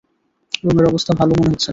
রোমের অবস্থা ভালো মনে হচ্ছে না।